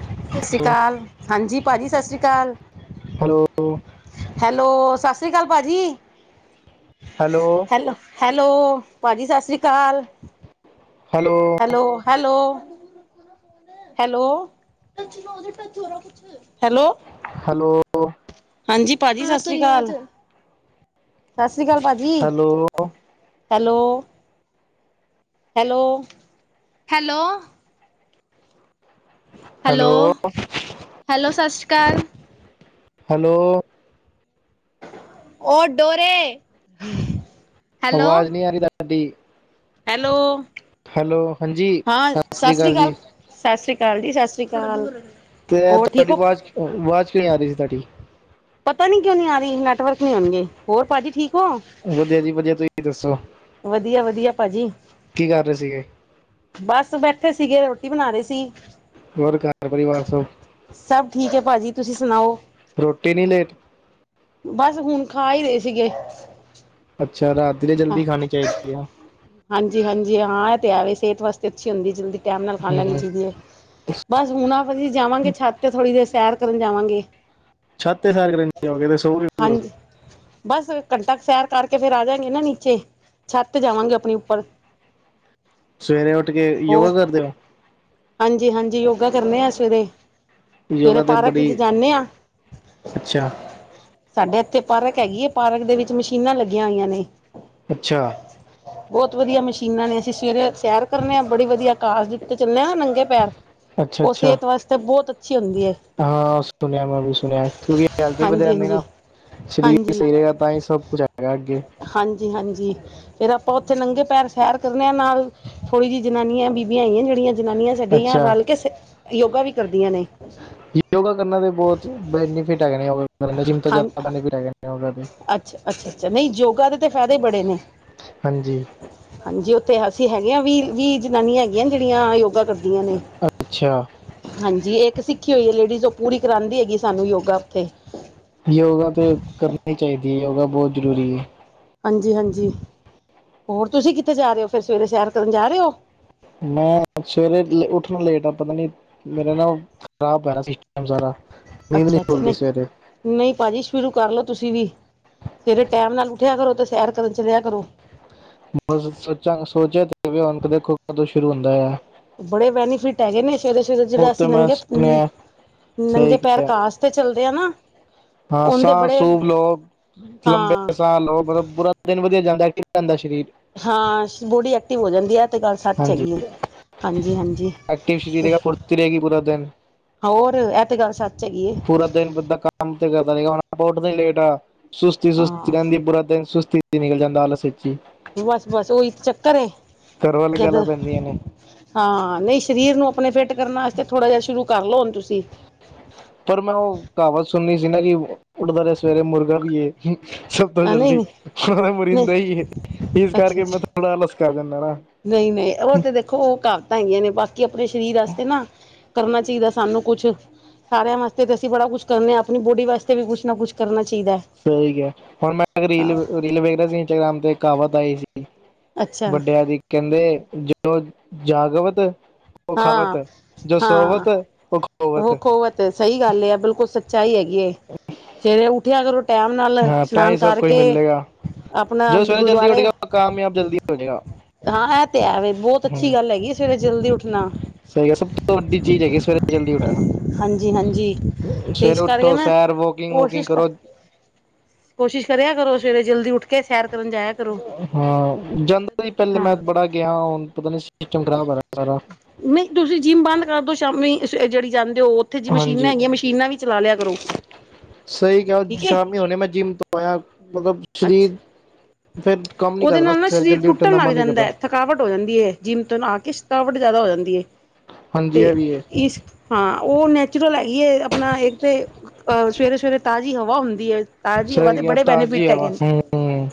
ਸਤਿ ਸ਼੍ਰੀ ਹੈਲੋ ਅਕਾਲ ਹਾਂਜੀ, ਭਾਜੀ ਸਤਿ ਸ਼੍ਰੀ ਅਕਾਲ। ਹੈਲੋ। ਹੈਲੋ ਸਤਿ ਸ਼੍ਰੀ ਅਕਾਲ ਭਾਜੀ ਹੈਲੋ ਹੈਲੋ, ਹੈਲੋ ਭਾਜੀ ਸਤਿ ਸ੍ਰੀ ਅਕਾਲ। Hello. Hello. Hello hello. Hello. ਹਾਂਜੀ ਭਾਜੀ ਸਤਿ ਸ੍ਰੀ ਅਕਾਲ। ਸਤਿ ਸ਼੍ਰੀ ਅਕਾਲ ਭਾਜੀ hello hello. Hello hello. Hello hello ਸਤਿ ਸ਼੍ਰੀ ਅਕਾਲ। ਹੈਲੋ। ਉਹ ਡੋਰੇ। ਹੈਲੋ ਆਵਾਜ਼ ਨਹੀਂ ਆ ਰਹੀ ਤੁਹਾਡੀ। ਹੈਲੋ ਹਾਂ ਸਤਿ ਸ੍ਰੀ ਅਕਾਲ ਸਤਿ ਸ੍ਰੀ ਅਕਾਲ। ਸਰਦਾਰ ਜੀ ਸਤਿ ਸ੍ਰੀ ਅਕਾਲ। ਤੇ ਹੋਰ ਠੀਕ ਤੁਹਾਡੀ ਹੋ ਆਵਾਜ਼ ਆਵਾਜ਼ ਕਿਵੇਂ ਆ ਰਹੀ ਸੀ ਤੁਹਾਡੀ। ਪਤਾ ਨੀ ਕਿਉਂ ਨੀ ਆ ਰਹੀ ਨੈਟਵਰਕ ਨਹੀਂ ਆਉਣਗੇ ਹੋਰ ਭਾਜੀ ਠੀਕ। ਹੋ ਵਧੀਆ ਜੀ ਵਧੀਆ ਤੁਸੀਂ ਦੱਸੋ। ਵਧੀਆ ਵਧੀਆ ਭਾਜੀ ਕੀ ਕਰ ਰਹੇ ਸੀਗੇ ਬਸ ਬੈਠੇ। ਇਥੇ ਸੀਗੇ ਰੋਟੀ ਬਣਾ ਰਏ ਸੀ। ਹੋਰ ਘਰ ਪਰਿਵਾਰ ਸਭ- ਸਭ ਠੀਕ ਹੈ ਭਾਜੀ ਤੁਸੀਂ ਸੁਣਾਓ। ਰੋਟੀ ਨੀ ਲੇਟ। ਬਸ! ਹੁਣ ਖਾ ਹੀ ਰਹੇ ਸੀਗੇ। ਅੱਛਾ ਰਾਤੀਲੇ ਜਲਦੀ ਖਾਣੀ ਚਾਹੀਦੀ ਹੈ। ਹਾਂਜੀ ਹਾਂਜੀ! ਹਾਂ ਇਹ ਤੇ ਆਵੇ ਸਿਹਤ ਵਾਸਤੇ ਅੱਛੀ ਹੁੰਦੀ ਜਲਦੀ। ਟਾਈਮ ਨਾਲ ਖਾ ਲੈਣੀ ਹੂੰ ਚਾਹੀਦੀ ਹੈ। ਬਸ ਹੁਣ ਆਪ ਅਸੀਂ ਜਾਵਾਂਗੇ ਛੱਤ ਤੇ ਥੋੜ੍ਹੀ ਦੇਰ ਸੈਰ। ਕਰਨ ਜਾਵਾਂਗੇ। ਛੱਤ ਤੇ ਸੈਰ ਕਰ ਆਗੇ ਸੋ ਗਏ ਕਦੋਂ ਹਾਂਜੀ ਬਸ ਘੰਟਾ ਸੈਰ ਕਰਕੇ ਫੇਰ ਆ ਜਾਗੇ ਨਾ ਨੀਚੇ ਛੱਤ ਜਾਵਾਂਗੇ ਆਪਣੀ ਉੱਪਰ ਸਵੇਰੇ ਉੱਠ ਕੇ ਯੋਗਾ ਕਰਦੇ ਓ। ਹਾਂਜੀ ਹਾਂਜੀ ਯੋਗਾ ਕਰਨੇ ਆ ਸਵੇਰੇ ਸਵੇਰੇ ਯੋਗਾ ਤੇ ਪਾਰਕ 'ਚ ਬੜੀ ਜਾਂਦੇ ਹਾਂ ਅੱਛਾ ਸਾਡੇ ਇੱਥੇ ਪਾਰਕ ਹੈਗੀ ਹੈ ਪਾਰਕ ਦੇ ਵਿੱਚ ਮਸ਼ੀਨਾਂ ਲੱਗੀਆਂ ਹੋਈਆਂ ਨੇ। ਅੱਛਾ ਬਹੁਤ ਵਧੀਆ ਮਸ਼ੀਨਾਂ ਨੇ ਅਸੀਂ ਸਵੇਰੇ ਸੈਰ ਕਰਨੇ ਆਂ। ਬੜੀ ਵਧੀਆ ਘਾਜ ਉਤੇ ਚੱਲੇ ਹਾਂ। ਨੰਗੇ ਪੈਰ ਅੱਛਾ ਉਹ ਅੱਛਾ ਸਿਹਤ ਵਾਸਤੇ ਬਹੁਤ ਅੱਛੀ ਹੁੰਦੀ ਹੈ ਹਾਂ ਸੁਣਿਆ ਮੈਂ ਵੀ ਸੁਣਿਆ ਕਿਉਕ ਹੈਲਥ ਵੀ ਵਧੀਆ ਹਾਂਜੀ ਰਹਿੰਦੀ ਹਾਂਜੀ ਨਾ। ਸਰੀਰ ਹਾਂਜੀ ਸਹੀ ਰਹੇਗਾ ਤਾਂ ਹੀ ਸਭ ਕੁਛ ਹੈਗਾ ਅੱਗੇ ਹਾਂਜੀ ਹਾਂਜੀ ਫੇਰ ਆਪਾਂ ਉੱਥੇ ਲੰਘੇ ਪੈਰ ਸੈਰ ਕਰਨੇ ਆ ਨਾਲ ਥੋੜ੍ਹੀ ਜਿਹੀ ਜਨਾਨੀਆਂ ਬੀਬੀਆਂ ਆਈਆਂ ਜਿਹੜੀਆਂ ਜਨਾਨੀਆਂ ਸਾਡੀਆਂ ਅੱਛਾ ਰਲ ਕੇ ਯੋਗਾ ਵੀ ਕਰਦੀਆਂ ਨੇ। ਯੋਗਾ ਕਰਨਾ ਦੇ ਬਹੁਤ ਬੈਨੀਫਿਟ ਹੈਗੇ ਨੇ। ਯੋਗਾ ਕਰਨ ਦੇ ਜਿੰਮ ਤੋਂ ਹਾਂ ਜ਼ਿਆਦਾ ਬੈਨੀਫਿਟ ਹੈਗੇ ਨੇ। ਯੋਗਾ ਦੇ ਅੱਛਾ -ਅੱਛਾ- ਅੱਛਾ ਨਹੀਂ ਯੋਗਾ ਦੇ ਤਾਂ ਫਾਇਦੇ ਬੜੇ ਨੇ ਹਾਂਜੀ ਹਾਂਜੀੇ। ਅਤੇ ਅਸੀਂ ਹੈਗੇ ਵੀ ਜਨਾਨੀਆਂ ਹੈਗੀਆਂ ਜਿਹੜੀਆਂ ਯੋਗਾ ਕਰ ਨੇ ਅੱਛਾ ਹਾਂਜੀ ਇੱਕ ਸਿੱਖੀ ਹੋਈ ਹੈ ਲੇਡੀਜ਼ ਉਹ ਪੂਰੀ ਕਰਾਂਦੀ ਹੈਗੀ ਸਾਨੂੰ ਯੋਗਾ ਉੱਥੇ ਯੋਗਾ ਤੇ ਕਰਨੀ ਚਾਹੀਦੀ ਹੈ ਯੋਗਾ ਬਹੁਤ ਜ਼ਰੂਰੀ ਹੈ। ਹਾਂਜੀ- ਹਾਂਜੀ ਹੋਰ ਤੁਸੀਂ ਕਿੱਥੇ ਜਾ ਰਹੇ ਹੋ ਫਿਰ ਸਵੇਰੇ ਸੈਰ ਕਰਨ ਜਾ ਰਹੇ ਹੋ। ਮੈਂ ਸਵੇਰੇ ਉੱਠਣਾ ਲੇਟ ਆ ਪਤਾ ਨੀ ਮੇਰਾ ਨਾਲ ਖਰਾਬ ਪੈਹਾ ਸਿਸਟਮ ਸਾਰਾ ਨੀਂਦ ਨਹੀਂ ਅੱਛਾ -ਅੱਛਾ ਖੁੱਲਦੀ ਸਵੇਰੇ ਨਹੀਂ- ਨਹੀਂ ਭਾਜੀ ਸ਼ੁਰੂ ਕਰਲੋ। ਤੁਸੀਂ ਵੀ ਸਵੇਰੇ ਟੈਮ ਨਾਲ ਉੱਠਿਆ ਕਰੋ ਤੇ ਸੈਰ ਕਰਨ ਚੱਲਿਆ ਕਰੋ। ਬਸ ਸੋਚਾਂ ਸੋਚਿਆ ਤੇ ਹੁਣ ਦੇਖੋ ਕਦੋਂ ਸ਼ੁਰੂ ਹੁੰਦਾ ਆ। ਬੜੇ ਬੈਨੀਫਿਟ ਹੈਗੇ ਨੇ। ਸਵੇਰੇ -ਸਵੇਰੇ ਉਹ ਜਿਹੜਾ ਤੇ ਅਸੀਂ ਮੈਂ ਨੰਗੇ- ਸੁਣਿਆ ਨੰਗੇ ਸਹੀ ਪੈਰ ਘਾਸ ਤੇ ਚੱਲਦੇ ਹਨਾ। ਹਾਂ ਸਾਹ ਸੂਬ ਲਓ ਲੰਬੇ ਹਾਂ ਸਾਹ ਲਓ ਮਤਲਬ ਬੁਰਾ ਦਿਨ ਵਧੀਆ ਜਾਂਦਾ। [unintelligible] ਜਾਂਦਾ ਸਰੀਰ ਹਾਂ ਬੋਡੀ ਐਕਟਿਵ ਹੋ ਜਾਂਦੀ ਹੈ ਤੇ ਗੱਲ ਸੱਚ ਹੈਗੀ ਆ। ਅੱਗੇ ਸਰੀਰ ਫੁਰਤੀ ਰਹੇਗੀ ਪੂਰਾ ਦਿਨ ਹੋਰ ਇਹ ਤੇ ਗੱਲ ਸੱਚ ਹੈਗੀ ਹੈ ਪੂਰਾ ਦਿਨ ਬੰਦਾ ਕੰਮ ਤੇ ਕਰਦਾ ਨ ਲੇਟ ਆ ਸੁਸਤੀ ਸੁਸ ਹਾਂ ਰਹਿੰਦੀ ਬੁਰਾ ਦਿਨ ਸੁਸਤੀ ਨਿਕਲ ਜਾਂਦਾ ਆਲਸ ਵਿੱਚ ਹੀ ਬਸ -ਬਸ ਓਹੀ ਚੱਕਰ ਏ ਘਰ ਵਾਲੀ ਜਦ ਗੱਲਾਂ ਪੈਂਦੀਆਂ ਨੇ ਹਾਂ ਨਹੀਂ ਸਰੀਰ ਨੂੰ ਆਪਣੇ ਫਿੱਟ ਕਰਨ ਵਾਸਤੇ ਥੋੜ੍ਹਾ ਜਿਹਾ ਸ਼ੁਰੂ ਕਰ ਲਓੁ ਤੁਸੀਂ ਪਰ ਮੈਂ ਉਹ ਕਹਾਵਤ ਸੁਣਨੀ ਸੀ ਨਾ ਕਿ ਉੱਠਦਾ ਰਿਹਾ ਸਵੇਰੇ ਮੁਰਗਾ ਵੀ ਏ। ਸਭ ਤੋਂ ਆ ਨਹੀਂ ਜਲਦੀ ਨਹੀਂ ਮ ਤਾਂ ਨਹੀਂ ਮਰੀਿੰਦਾ ਹੀ ਹੈ ਹਗਢ ਜਈ [unintelligible] ਇਸ ਅੱਛਾ ਕਰਕੇ ਅੱਛਾ ਮੈਂ ਥੋੜ੍ਹਾ ਆਲਸ ਕਰ ਦਿੰਦਾ ਨਾ। ਨਹੀਂ- ਨਹੀਂ ਉਹ ਤੇ ਦੇਖੋ ਉਹ ਕਹਾਵਤਾਂ ਹੈਗੀਆਂ ਨੇ ਬਾਕੀ ਆਪਣੇ ਸਰੀਰ ਵਾਸਤੇ ਨਾ ਕਰਨਾ ਚਾਹੀਦਾ ਸਾਨੂੰ ਕੁੱਛ ਸਾਰਿਆਂ ਵਾਸਤੇ ਤੇ ਅਸੀਂ ਬੜਾ ਕੁਛ ਕਰਨੇ ਹਾਂ। ਆਪਣੀ ਬੋਡੀ ਵਾਸਤੇ ਵੀ ਕੁਛ ਨਾ ਕੁੱਛ ਕਰਨਾ। ਚਾਹੀਦਾ ਹੈ ਸਹੀ ਹੈ ਹੁਣ ਮੈਂ ਇੱਕ ਰੀਲ ਹਾਂ ਰੀਲ ਵੇਖ ਰਿਹਾ ਸੀ। ਇੰਸਟਾਗ੍ਰਾਮ ਤੇ ਕਹਾਵਤ ਆਈ ਸੀ- ਅੱਛਾ ਵੱਡਿਆ ਦੀ ਕਹਿੰਦੇ ਜਦ ਜਾਗਵਤ। ਉਹਖਵਤ ਹਾਂ ਹੈ ਜੋ ਹਾਂ ਸਵਤ ਹੈ। ਉਹ। ਖੋਵਤ ਉਹ ਖਵਤ ਸਹੀ ਗੱਲ ਹੈ ਬਿਲਕੁਲ ਸੱਚਾ ਹੀ ਹੈਗੀ ਸਵੇਰੇ ਉੱਠਿਆ ਕਰੋ। ਟਾਈਮ ਨਾਲ ਹਾਂ ਤਾਂ ਇਸ਼ਨਾਨ ਹੀ ਸਭ ਕੁਝ ਕਰਕੇ ਮਿਲੇਗਾ ਆਪਣਾ ਜੋ ਸਵੇਰੇ ਜਲਦੀ ਉੱਠ ਗੁਰਦੁਆਰੇ। ਗਿਆ ਉਹ ਕਾਮਯਾਬ ਜਲਦੀ ਹੋ ਜਾਏਗਾ ਹਾਂ ਇਹ ਤੇ ਹੈ ਵ ਬਹੁਤ ਅੱਛੀ ਹਮ ਗੱਲ ਹੈਗੀ ਸਵੇਰੇ ਜਲਦੀ ਉੱਠਣਾ। ਸਹੀ ਹੈ ਸਭ ਤੋਂ ਵੱਡੀ ਚੀਜ਼ ਹੈਗੀ ਸਵੇਰੇ ਜਲਦੀ ਉੱਠਣਾ ਹਾਂਜੀ-ਹਾਂਜੀ ਤੇ ਸਵੇਰੇ ਇਸ ਕਰਕੇ ਉੱਠੋ ਮੈਂ ਸੈਰ ਵੋਕਿੰਗ ਵੂਕਿੰਗ ਕੋਸ਼ਿਸ਼ ਕਰ। ਕਰੋ ਕੋਸ਼ਿਸ਼ ਕਰਿਆ ਕਰੋ ਸਵੇਰੇ ਜਲਦੀ ਉੱਠ ਕੇ ਸੈਰ। ਕਰਨ ਜਾਇਆ ਕਰੋ। ਹਾਂ ਜਾਂਦਾ ਸੀ ਪਹਿਲੇ ਹਾਂ ਮੈਂ ਬੜਾ ਗਿਆ ਹੁਣ ਪਤਾ ਨੀ ਸਿਸਟਮ ਖਰਾਬ ਹੋਯਾ ਦਾ ਸਾਰਾ। ਨਹੀਂ ਤੁਸੀਂ ਜਿੰਮ ਬੰਦ ਕਰਦੋ ਸ਼ਾਮੀ ਜਿਹੜੀ ਜਾਂਦੇ। ਤੇਓ ਉੱਥੇ ਜੇ ਮਸ਼ੀਨਾਂ ਹਾਂਜੀ ਹੈਗੀਆਂ ਮਸ਼ੀਨਾਂ ਵੀ ਚਲਾ ਲਿਆ ਕਰੋ। ਸਹੀ ਕਿਹਾ ਠੀਕ ਹੈ ਸ਼ਾਮੀ ਹੋਣੇ ਮੈਂ ਜਿਮ ਤੋਂ ਆਇਆ ਮਤਲਬ ਅੱਛਾ ਸ਼ਰੀਰ। ਉਹਦੇ ਨਾਲ ਨਾ ਸਰੀਰ ਟੁੱਟਣ ਦਾ ਲੱਗ ਮਨ ਨੀ ਜਾਂਦਾ ਕਰਦਾ ਹੈ ਥਕਾਵਟ ਹੋ ਜਾਂਦੀ ਏ ਜਿੰਮ ਤੋਂ ਆ ਕੇ ਥਕਾਵਟ ਜ਼ਿਆਦਾ ਹੋ ਜਾਂਦੀ। ਦੀ। ਹਾਂਜੀ ਐ ਵੀ ਹੈ। ਹਾਂ ਉਹ ਨੈਚੁਰਲ ਹੈਗੀ ਹੈ ਆਪਣਾ ਇੱਕ ਤੇ ਅਹ ਸਵੇਰੇ- ਸਵੇਰੇ ਤਾਜ਼ੀ ਹਵਾ ਹੁੰਦੀ ਏ। ਸਹੀ ਕਿਹਾ ਤਾਜੀ ਹਵਾ ਹੂੰ-ਹੂੰ।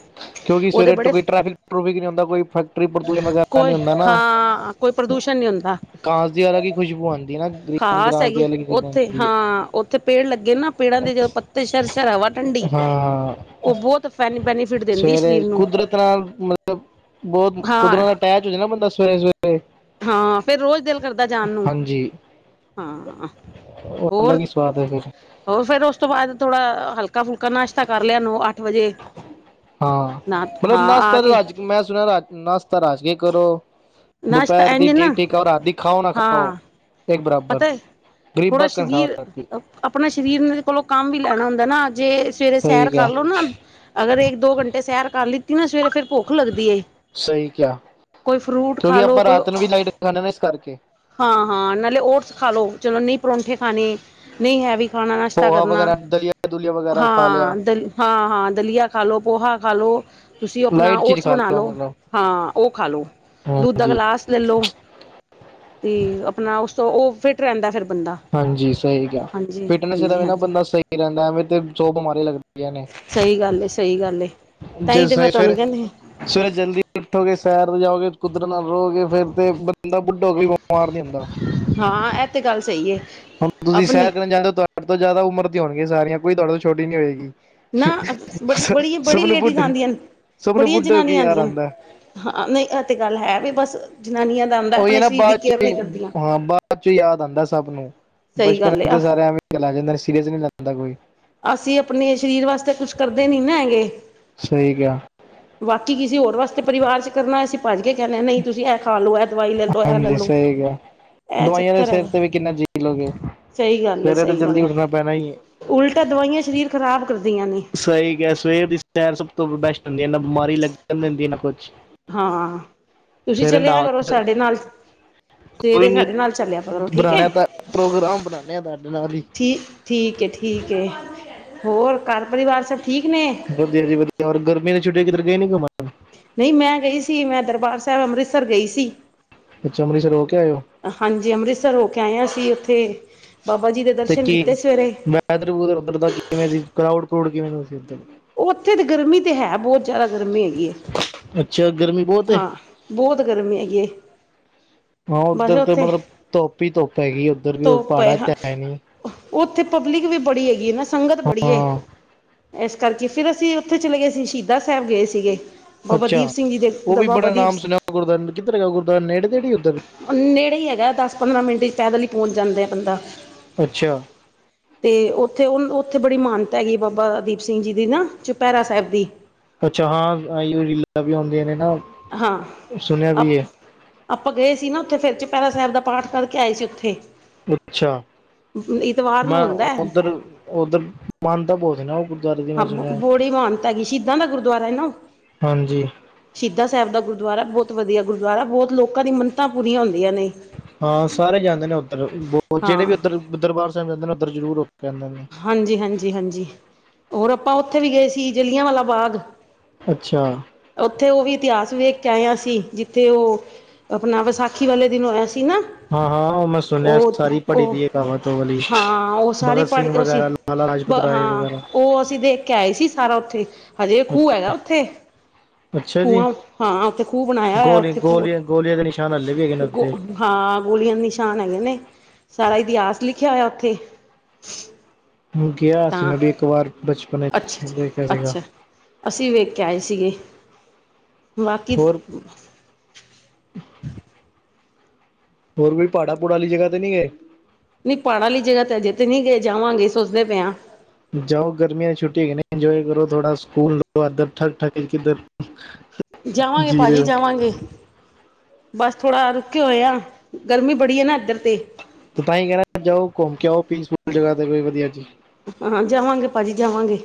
ਕਿਉਂਕਿ ਉਹਦੇ ਸਵੇਰੇ ਬੜੇ ਕੋਈ ਟੈਫਿਕ ਟਰੂਫਿਕ ਨੀ ਹੁੰਦਾ ਕੋਈ ਫੈਕਟਰੀ ਪ੍ਰਦੂਸ਼ਣ ਵਗੈਰਾ ਨੀ ਕੋਈ ਹੁੰਦਾ ਨਾ। ਹਾਂ ਕੋਈ ਪ੍ਰਦੂਸ਼ਣ ਨੀ ਹੁੰਦਾ। ਕਾਂਸ ਦੀ ਅਲਗ ਕੀ ਖੁਸ਼ਬੂ ਆਉਂਦੀ ਨਾਮ। ਖ਼ਾਸ ਹੈਗੀ ਉੱਥੇ ਹਾਂ ਉੱਥੇ ਪੇੜ ਲੱਗੇ ਨਾ ਪੇੜਾਂ ਦੇ ਜਦੋਂ ਪੱਤੇ ਸ਼ਰ ਸ਼ਰ ਹਵਾ। ਠੰਡੀ ਹਾਂ ਉਹ ਬਹੁਤ ਫੈਨ ਬੈਨੀਫਿਟ ਦਿੰਦੀ ਹੈ ਸਵੇਰੇ ਸਰੀਰ ਨੂੰ ਕੁਦਰਤ ਨਾਲ ਮਤਲਬ। ਬਹੁਤ ਕੁਦਰ ਹਾਂ ਦਾ ਅਟੈਚ ਹੋ ਜਾ ਨਾ ਬੰਦਾ ਸਵੇਰੇ-ਸਵੇਰੇ। ਹਾਂ ਫੇਰ ਰੋਜ਼ ਦਿਲ ਕਰਦਾ ਜਾਣ ਨੂੰ- ਹਾਂ, ਉਹ ਅਲੱਗ ਹੀ ਸਵਾਦ ਹੈ ਫਿਰ ਹੋਰ-ਹੋਰ ਫੇਰ ਉਸ ਤੋਂ ਬਾਅਦ ਥੋੜਾ ਹਲਕਾ-ਫੁਲਕਾ ਨਾਸ਼ਤਾ ਕਰ ਲਿਆ, ਨੋ ਅੱਠ ਵਜੇ ਹਾਂ ਨਾ ਮਤਲਬ ਹਾਂ ਆ ਨੱਸਤਾ ਰਾਜ ਕੇ ਮੈਂ ਸੁਣਿਆ, ਰੱਜ ਨਾਸਤਾ ਰੱਜ ਕੇ ਕਰੋ- ਨਾਸ਼ਤਾ ਦੁਪਹਿਰ ਦੀ ਇੰਝ ਨਾ ਠੀਕ-ਠੀਕ ਆਓ, ਰਾਤ ਦੀ ਖਾਓ ਨਾ ਖਾਓ ਹਾਂ ਇੱਕ ਬਰਾਬਰ ਪਤਾ ਗਰੀਬ ਥੋੜਾ ਬਕਨ ਖਾਓ ਸਰੀਰ ਰਾਤ ਦੀ ਆਪਣਾ ਸਰੀਰ ਨੇ ਕੋਲੋਂ ਕੰਮ ਵੀ ਲੈਣਾ ਹੁੰਦਾ ਨਾ ਦੇ ਸਵੇਰੇ ਸਹੀ ਸੈਰ ਕਰ ਕਿਹਾ ਲਵੋ, ਨਾ ਅਗਰ ਇਕ ਦੋ ਘੰਟੇ ਸੈਰ ਕਰ ਲੀ ਨਾ ਸਵੇਰੇ ਫੇਰ ਭੁੱਖ ਲੱਗਦੀ ਏ ਸਹੀ ਕਿਆ। ਕੋਈ ਫਰੂਟ ਖਾ ਲਓ ਕੋਈ ਹਾਂ-ਹਾਂ, ਨਾਲੇ ਓਟਸ ਖਾ ਲੋ ਚਲੋ ਨਹੀਂ ਪਰੌਂਠੇ ਖਾਣੇ ਨਹੀਂ ਹੈ, ਵੀ ਖਾਣਾ ਨਾਸ਼ਤਾ ਪੋਹਾ ਕਰਨਾ ਵਗੈਰਾ ਦਲੀਆ ਦੁਲੀਆ ਵਗੈਰਾ ਖਾ ਹਾਂ ਲਿਆ ਦਲ ਹਾਂ ਹਾਂ ਦਲੀਆ ਖਾਲੋ ਪੋਹਾ ਖਾਲੋ, ਤੁਸੀਂ ਆਪਣਾ ਲਾਈਟ ਚੀਜ਼ ਓਟਸ ਖਾ ਬਣਾ ਲਓ, ਮਤਲਬ ਹਾਂ ਉਹ ਖਾ ਲਓ ਦ ਦਾ ਹਾਂਜੀ ਗਲਾਸ ਲੈ ਲੋ ਤੇ ਆਪਣਾ, ਉਸ ਤੋਂ ਉਹ ਫਿਟ ਰਹਿੰਦਾ ਫਿਰ ਬੰਦਾ ਹਾਂਜੀ ਸਹੀ ਗਿਆ, ਹਾਂਜੀ ਫਿਟਨੈਸ ਦਾ ਹਾਂਜੀ ਨਾ ਹਾਂਜੀ ਬੰਦਾ ਸਹੀ ਰਹਿੰਦਾ, ਐਵੇਂ ਤੇ ਸੋ ਬਿਮਾਰੀਆਂ ਲੱਗਦੀਆਂ ਨੇ ਸਹੀ ਗੱਲ ਏ ਸਹੀ ਗੱਲ ਏ ਤਾਂ ਜ ਹੀ ਤੇ ਸ ਮੈਂ ਫਿਰ ਤੁਹਾਨੂੰ ਕਹਿੰਦੀ ਸਵੇਰੇ ਜਲਦੀ ਉੱਠੋਗੇ ਸੈਰ ਜਾਓਗੇ ਕੁਦਰਤ ਨਾਲ ਰਹੋਗੇ, ਫੇਰ ਤੇ ਬੰਦਾ ਬੁੱਢੋ ਵੀ ਬਿਮਾਰ ਨਹੀਂ ਹੁੰਦਾ ਹਾਂ, ਇਹ ਤੇ ਗੱਲ ਸਹੀ। ਏ ਹੁਣ ਤੁਸੀਂ ਆਪਣੀ ਸੈਰ ਕਰਨ ਜਾਂਦੇ ਹੋ, ਤੁਹਾਡੇ ਤੋਂ ਜ਼ਿਆਦਾ ਉਮਰ ਦੀ ਹੋਣਗੀਆਂ ਸਾਰੀਆਂ, ਕੋਈ ਤੁਹਾਡੇ ਤੋਂ ਛੋਟੀ ਨੀ ਹੋਏਗੀ। ਨਾ ਸ- ਬੜੀ ਬੜੀ ਸਭ ਨੂੰ ਲੇਡੀਜ਼ ਬੁੱਢੇ ਆਂਦੀਆਂ ਹਨ, ਸਭ ਨੂੰ ਬੜੀਆਂ ਬੁੱਢੇ ਹੋ ਕੇ ਜਨਾਨੀਆਂ ਯਾਦ ਆਂਦੀ ਅਣ- ਆਉਂਦਾ ਹਾਂ ਨਹੀਂ ਇਹ ਤੇ ਗੱਲ ਹੈ, ਵੀ ਬਸ ਜਨਾਨੀਆਂ ਦਾ ਆਦਾ ਉਹੀ ਆਪਣੇ ਨਾ ਸਰੀਰ ਦੀ ਬਾਅਦ ਚ ਕੇਅਰ ਹੀ ਨਹੀਂ ਕਰਦੀਆਂ। ਹਾਂ ਬਾਅਦ ਚ ਯਾਦ ਆਦਾ ਸਭ ਨੂੰ, ਸਹੀ ਬਚਪਨ ਗੱਲ ਏ ਆ ਤਾਂ ਸਾਰੇ ਐਵੇਂ ਚਲਾ ਜਾਂ ਸੀਰੀਅਸ ਨੀ ਲੈਣਦਾ ਕੋਈ ਅਸੀਂ ਆਪਣੇ ਸਰੀਰ ਵਾਸਤੇ ਕੁਛ ਕਰਦੇ ਨੀ ਨਾ ਸਹੀ ਕਿਹਾ, ਕੀ ਕਿਸੇ ਹੋਰ ਵਾਸਤੇ ਪਰਿਵਾਰ ਚ ਕਰਨਾ, ਅਸੀਂ ਭੱਜ ਕੇ ਕਹਿਣੇਦੇ ਨਹੀਂ ਤੁਸੀਂ ਇਹ ਖਾ ਲੋ ਦਵਾਈ ਲੈਲੋ ਐ ਹਾਂਜੀ ਲੈਲੋ ਸਹੀ ਕਿਹਾ ਇਹ ਦਵਾਈਆਂ ਦੇ ਚੱਕਰ ਸਿਰ ਹੈਗਾ, ਤੇ ਵੀ ਕਿੰਨਾ ਜੀ ਲੋਗੇ ਸਹੀ ਗੱਲ ਸਵੇਰੇ ਤਾਂ ਸਹੀ ਗੱਲ ਜਲਦੀ ਹੈ ਉੱਠਣਾ ਪੈਣਾ ਹੀ ਹੈ ਉਲਟ- ਤਾਂ ਦਵਾਈਆਂ ਸਰੀਰ ਖ਼ਰਾਬ ਕਰਦੀਆਂ ਨੇ ਸਹੀ ਕਿਹਾ ਹੈ, ਸਵੇਰ ਦੀ ਸੈਰ ਸਭ ਤੋਂ ਬੈਸਟ ਹੁੰਦੀ ਹੈ ਨਾ ਬਿਮਾਰੀ ਲੱਗਣ ਹੁੰਦੀ ਨਾ ਕੁਛ- ਹਾਂ ਤੁਸੀਂ ਸਵੇਰੇ ਚਲਿਆ ਨਾ ਕਰੋ, ਸਾਡੇ ਨਾਲ। ਕੋਈ ਸਵੇਰੇ ਨੀ ਸਾਡੇ ਨਾਲ ਚੱਲਿਆ ਕਰੋ ਠੀਕ ਹੈ, ਬਣਾਣਾ ਤਾਂ ਪ੍ਰੋਗਰਾਮ ਬਣਾਣੇ ਆ ਤੁਹਾਡੇ ਨਾਲ ਹੀ ਠੀਕ-ਠੀਕ। ਠੀਕ ਏ, ਹੋਰ ਘਰ ਪਰਿਵਾਰ ਸਭ? ਠੀਕ ਨੇ। ਵਧੀਆ ਜੀ ਵਧੀਆ, ਹੋਰ ਗਰਮੀ ਦੀ ਛੁੱਟੀਆਂ ਕਿਧਰ ਗਏ, ਨ ਘੁੰਮਨ। ਨਹੀਂ ਮੈਂ ਗਈ ਸੀ, ਮੈਂ ਦਰਬਾਰ ਸਾਹਿਬ ਅੰਮ੍ਰਿਤਸਰ ਗਈ ਸੀ। ਅੱਛਾ ਅੰਮ੍ਰਿਤਸਰ ਹੋ ਕੇ ਆਇਓ ਹਾਂਜੀ ਅੰਮ੍ਰਿਤਸਰ ਹੋ ਕੇ ਆਏ, ਆਂ ਅਸੀ ਉੱਥੇ ਬਾਬਾ ਜੀ ਦੇ ਤੇ ਦਰਸ਼ਨ ਕੀ ਕੀਤੇ ਸਵੇਰੇ ਵੈਦਰ ਵੂਦਰ ਉੱਧਰ ਦਾ ਕਿਵੇਂ ਸੀ, ਕਰਾਊਡ-ਕੁਰਾਊਡ ਕਿਵੇਂ ਦਾ ਸੀ ਉੱਧਰ। ਉਹ ਉੱਥੇ ਤਾਂ ਗਰਮੀ ਤੇ ਹੈ ਬਹੁਤ ਜ਼ਿਆਦਾ ਗਰਮੀ ਹੈਗੀ ਏ, ਅੱਛਾ ਗਰਮੀ ਬਹੁਤ ਹੈ ਹਾਂ ਬਹੁਤ ਗਰਮੀ ਹੈਗੀ ਏ। ਹਾਂ ਉੱਧਰ ਤੇ ਮਤਲਬ ਧੁੱਪ ਹੀ ਧੁੱਪ ਹੈਗੀ, ਉੱਧਰ ਵੀ ਧੁੱਪ ਪਹਾੜਾਂ ਹਾਂ ਤੇ ਹੈ ਨੀ। ਉੱਥੇ ਪਬਲਿਕ ਵੀ ਬੜੀ ਹੈਗੀ ਏ ਨਾ, ਸੰਗਤ ਬੜੀ ਏ ਹਾਂ ਇਸ ਕਰਕੇ ਫਿਰ ਅਸੀਂ ਉੱਥੇ ਚਲੇ ਗਏ ਸੀ, ਸ਼ਹੀਦ ਸਾਹਿਬ ਗਏ ਸੀਗੇ। ਬਾਬਾ ਦੀਪ ਅੱਛਾ, ਸਿੰਘ ਜੀ ਦੇ ਉਹ ਵੀ ਬਾਬਾ ਬੜਾ ਦੀਪ ਨਾਮ ਸੁਣਿਆ, ਗੁਰਦਆਰੇ ਦਾ ਕਿੱਧਰ ਹੈਗਾ ਗੁਰਦੁਆਰਾ, ਨੇੜੇ ਤੇੜੀ ਉੱਧਰ ਨੇੜੇ ਹੀ ਹੈਗਾ ਦਸ ਪੰਦਰਾਂ ਮਿੰਟ 'ਚ ਪੈਦਲ ਹੀ ਪਹੁੰਚ ਜਾਂਦਾ ਬੰਦਾ। ਅੱਛਾ ਤੇ ਉੱਥੇ ਉੱਥੇ ਬੜੀ ਮਾਨਤਾ ਹੈਗੀ, ਬਾਬਾ ਦੀਪ ਸਿੰਘ ਜੀ ਦੀ ਨਾ ਚੁਪਹਿਰਾ ਸਾਹਿਬ ਦੀ। ਅੱਛਾ, ਹਾਂ ਆਈ ਰੀਲਾ ਵੀ ਆਦੀਆਂ ਨੇ ਨਾ ਹਾਂ ਸੁਣਿਆ ਆਪ ਵੀ ਹੈ ਆਪਾਂ ਗਏ ਸੀ ਨਾ ਉਥੇ ਫਿਰ ਚੁਪੈਰਾ ਸਾਹਿਬ ਦਾ ਪਾਠ ਕਰਕੇ ਆਏ ਸੀ ਉੱਥੇ। ਅੱਛਾ, ਇਤਵਾਰ ਨੂੰ ਮੈਂ ਹੁੰਦਾ ਹੈ। ਉਧਰ ਉਧਰ ਮਹਾਨਤਾਂ ਬਹੁਤ ਨਾ ਉਹ ਗੁਰਦੁਆਰੇ ਦੀ ਹਾਂ ਮੈਂ ਸੁਣਿਆ ਬੜੀ ਮਾਨਤਾ ਹੈਗੀ ਸ਼ਹੀਦਾਂ ਦਾ ਗੁਰਦੁਆਰਾ ਹੈ ਨਾ, ਹਾਂਜੀ ਸ਼ਹੀਦਾਂ ਸਾਹਿਬ ਦਾ ਗੁਰ ਗੁਰਦੁਆਰਾ ਬਹੁਤ ਵਧੀਆ ਗੁਰਦੁਆਰਾ ਬਹੁਤ ਲੋਕਾ ਦੀ ਮੰਨਤਾ ਪੂਰੀਆਂ ਹੋਈ ਹਾਂ ਸਾਰੇ ਜਾਂਦੇ ਨੇ ਉੱਧਰ ਜਿਹੜੇ ਵੀ ਹਾਂ ਉੱਧਰ ਦਰਬਾਰ ਸਾਹਿਬ ਜਾਂਦੇ ਨੇ ਉੱਧਰ ਜ਼ਰੂਰ ਹੋ ਕੇ ਆਉਂਦੇ ਨੇ ਹਾਂਜੀ-ਹਾਂਜੀ ਹਾਂਜੀ ਹੋਰ ਆਪਾਂ ਉੱਥੇ ਵੀ ਗਏ ਸੀ ਜਲਿਆਂਵਾ ਬਾਗ। ਅੱਛਾ ਉੱਥੇ ਉਹ ਵੀ ਇਤਿਹਾਸ ਵੇਖ ਵੇਖ ਕੇ ਆਏ ਆ ਅਸੀ, ਜਿੱਥੇ ਉਹ, ਆਪਣਾ ਵਿਸਾਖੀ ਵਾਲੇ ਦਿਨ ਹੋਇਆ ਸੀ। ਤੇ ਨਾ, ਹਾਂ ਹਾਂ ਉਹ ਮੈਂ ਸੁਣਿਆ ਉਹ ਸਾਰੀ ਪੜ੍ਹੀ ਉਹ, ਦੀ ਹੈ ਕਹਾਵਤ ਉਹ ਵਾਲੀ ਹਾਂ ਉਹ ਸਾਰੇ ਭਗਤ ਸਿੰਘ ਉਹ ਸੀ ਵਗੈਰਾ ਲਾਲਾ ਲਾਜਪਤ ਰਾਏ ਹਾਂ, ਵਗੈਰਾ ਉਹ ਅਸੀਂ ਦੇਖ ਕੇ ਆਏ ਸੀ ਸਾਰਾ ਉੱਥੇ ਹਜੇ ਖੂਹ ਹੈਗਾ ਅੱਛਾ ਉਥੇ। ਉਥੇ ਅੱਛਾ ਜੀ ਕੂੰਆਂ ਹਾਂ ਉੱਥੇ ਖੂਹ ਬਣਾਇਆ ਹੋਇਆ ਗੋਲੀ ਉੱਥੇ ਖੂਹ। ਗੋਲੀਆਂ ਗੋਲੀਆਂ ਦੇ ਨਿਸ਼ਾਨ ਹੱਲੇ ਵੀ ਹੈਗੇ ਨੇ ਗੋ ਉੱਤੇ ਹਾਂ ਗੋਲੀਆਂ ਦੇ ਨਿਸ਼ਾਨ ਹੈਗੇ ਨੇ। ਸਾਰਾ ਇਤਿਹਾਸ ਲਿਖਿਆ ਹੋਇਆ ਉੱਥੇ। ਗਿਆ ਸੀ ਤਾਂ ਮੈਂ ਵੀ ਇੱਕ ਵਾਰ ਬਚ ਅੱਛਾ ਅੱਛਾ ਅੱਛਾ, ਅਸੀਂ ਵੀ ਵੇਖ ਕੇ ਆਏ ਸੀਗੇ। ਬਾਕੀ ਹੋਰ ਹੋਰ ਕੋਈ ਪਹਾੜਾ-ਪਹੂੜਾ ਵਾਲੀ ਜਗ੍ਹਾ ਤੇ ਨਹੀਂ ਗਏ? ਨਹੀਂ ਪਹਾੜਾਂ ਵਾਲੀ ਜਗ੍ਹਾ ਤੇ ਹਜੇ ਤੇ ਨਹੀਂ ਗਏ ਜਾਵਾਂਗੇ ਸੋਚਦੇ ਪਏ ਆ। ਜਾਓ ਗਰਮੀਆਂ ਦੀ ਛੁਟੀ ਹੈਗੀ ਨੇ, ਇੰਜੋਏ ਕਰੋ ਥੋੜਾ ਸਕੂਨ ਲਵੋ ਇਧਰ ਠਕ-ਠਕ 'ਚ ਕਿੱਧਰ। ਜਾਵਾਂਗੇ ਜੀ ਰਹੇ ਭਾਜੀ ਹੋ ਜਾਵਾਂਗੇ। ਬਸ ਥੋੜਾ ਰੁਕੇ ਹੋਏ ਆ, ਗਰਮੀ ਬੜੀ ਏ ਨਾ ਇੱਧਰ। ਤੇ ਤੇ ਤਾਂ ਹੀ ਕਹ ਰਿਹਾ ਜਾਓ ਘੁੰਮ ਕੇ ਆਓ ਪੀਚਫੁਲ ਜਗ੍ਹਾ ਤੇ ਕੋਈ ਵਧੀਆ ਜੀ। ਹਾਂ ਜਾਵਾਂਗੇ ਭਾਜੀ ਜਾਵਾਂਗੇ।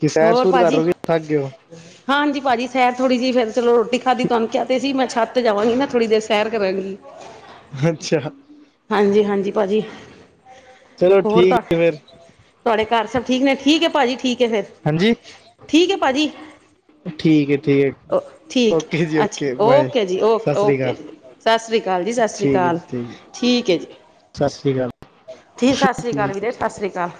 ਕਿ ਸੈਰ ਹੋਰ ਸੂਰ ਕਰ ਭਾਜੀ। ਰਹੇ ਹੋ ਕਿ ਥੱਕ ਗਏ ਹੋ ਹਾਂਜੀ ਭਾਅ ਜੀ ਸੈਰ ਥੋੜ੍ਹੀ ਜਿਹੀ ਫਿਰ ਚਲੋ ਰੋਟੀ ਖਾਧੀ ਤੁਹਾਨੂੰ ਕਿਹਾ ਤੇ ਸੀ ਮੈਂ ਛੱਤ ਤੇ ਜਾਵਾਂਗੀ ਨਾ ਥੋੜ੍ਹੀ ਦੇਰ ਸੈਰ ਕਰਾਂਗੀ। ਅੱਛਾ ਹਾਂਜੀ-ਹਾਂਜੀ ਭਾਜੀ, ਚਲੋ ਹੋਰ ਠੀਕ ਤਾਂ, ਹੈ ਫਿਰ ਤੁਹਾਡੇ ਘਰ ਸਭ ਠੀਕ ਨੇ ਠੀਕ ਹੈ ਭਾਜੀ ਠੀਕ ਹੈ ਫਿਰ, ਹਾਂਜੀ ਠੀਕ ਹੈ ਭਾਜੀ। ਠੀਕ ਏ ਠੀਕ ਏ। ਠੀਕ ਹੈ ਅੱਛਾ ਓਕੇ ਜੀ ਓਕੇ ਸਤਿ ਸ਼੍ਰੀ ਓਕੇ ਜੀ ਅਕਾਲ ਸਤਿ ਸ਼੍ਰੀ ਅਕਾਲ ਜੀ ਸਤਿ ਸ਼੍ਰੀ ਠੀਕ ਹੈ ਅਕਾਲ। ਜੀ ਠੀਕ ਹੈ ਠੀਕ ਏ ਜੀ। ਸਤਿ ਸ਼੍ਰੀ ਅਕਾਲ। ਜੀ ਸਾਸਰੀ ਠੀਕ ਕਾਲ ਹੈ ਵੀਰੇ, ਸਾਸਰੀ ਕਾਲ।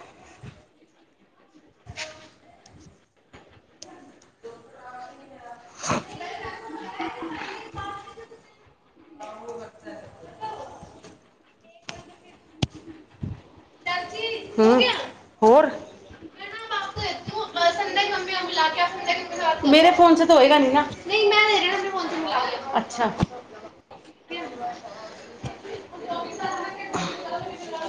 [unintelligible] ਹੂੰ, ਹੋਰ [unintelligible] ਮੇਰੇ ਫੋਨ 'ਚ ਤ ਹੋਏਗਾ ਨੀ ਨਾ। ਅੱਛਾ। [unintelligible]